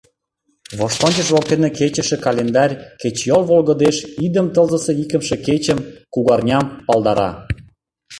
Воштончыш воктене кечыше календарь кечыйол волгыдеш идым тылзысе икымше кечым, кугарням, палдара.